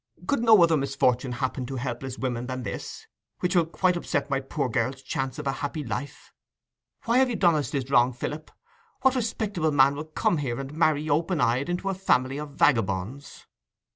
Could no other misfortune happen to helpless women than this, which will quite upset my poor girl's chance of a happy life? Why have you done us this wrong, Philip? What respectable man will come here, and marry open eyed into a family of vagabonds?